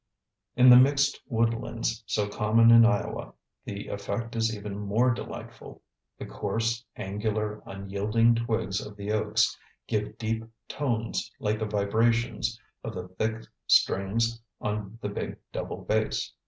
In the mixed woodlands, so common in Iowa, the effect is even more delightful. The coarse, angular, unyielding twigs of the oaks give deep tones like the vibrations of the thick strings on the big double bass.